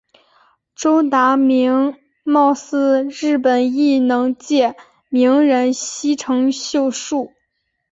周达明貌似日本艺能界名人西城秀树。